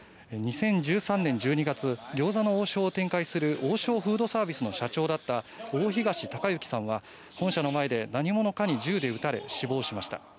２０１３年１２月餃子の王将を展開する王将フードサービスの社長だった大東隆行さんは本社の前で、何者かに銃で撃たれ死亡しました。